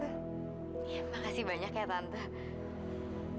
makasih banyak ya tante